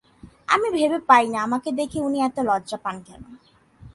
আমি ভেবে পাই না আমাকে দেখে উনি এত লজ্জা পান কেন।